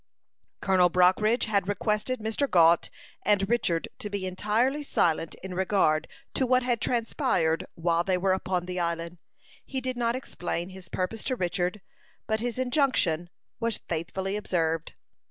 Colonel Brockridge had requested Mr. Gault and Richard to be entirely silent in regard to what had transpired while they were upon the island. He did not explain his purpose to Richard, but his injunction was faithfully observed.